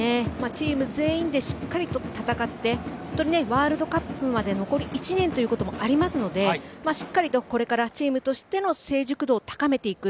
チーム全員でしっかりと戦ってワールドカップまで残り１年ということもあるのでしっかりとこれからチームとしての成熟度を高めていく。